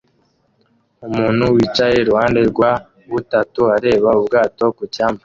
Umuntu wicaye iruhande rwa butatu areba ubwato ku cyambu